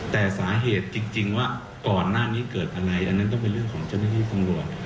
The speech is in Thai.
แต่สาเหตุจริงว่าก่อนหน้านี้เกิดอะไรอันนั้นก็เป็นเรื่องของเจ้าหน้าที่ตำรวจ